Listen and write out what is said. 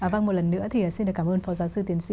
vâng một lần nữa thì xin được cảm ơn phó giáo sư tiến sĩ